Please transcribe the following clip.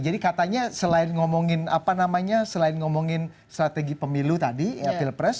jadi katanya selain ngomongin apa namanya selain ngomongin strategi pemilu tadi ya pil pres